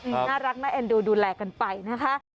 น่ารักน่าเอ็นดูดูแลกันไปนะคะ